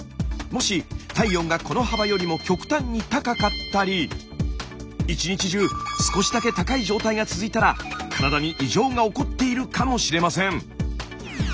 もし体温がこの幅よりも極端に高かったり１日中少しだけ高い状態が続いたら体に異常が起こっているかもしれません。